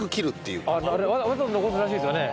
あれわざわざ残すらしいですよね。